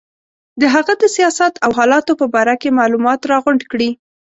د هغه د سیاست او حالاتو په باره کې معلومات راغونډ کړي.